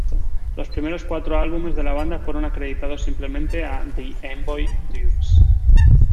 Los primeros cuatro álbumes de la banda fueron acreditados simplemente a The Amboy Dukes.